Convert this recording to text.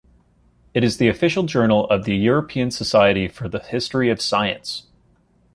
It is the official journal of the European Society for the History of Science.